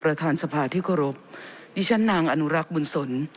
ประธานสภาที่เคารพดิฉันนางอนุรักษ์บุญสน